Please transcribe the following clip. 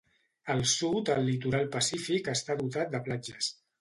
Al sud al litoral Pacífic està dotat de platges.